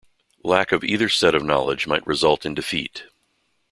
Lack of either set of knowledge might result in defeat.